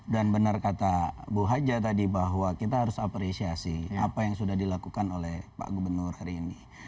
dan benar kata bu haja tadi bahwa kita harus apresiasi apa yang sudah dilakukan oleh pak gubernur hari ini